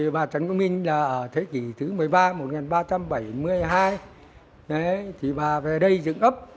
bà trấn quốc minh ở thế kỷ thứ một mươi ba một nghìn ba trăm bảy mươi hai bà về đây dựng ấp